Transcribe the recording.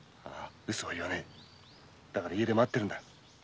ウソは言わねぇから家で待ってるんだ。